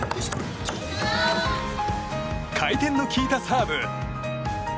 回転の利いたサーブ。